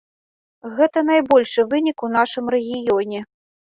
Гэта найбольшы вынік у нашым рэгіёне.